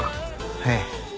ええ。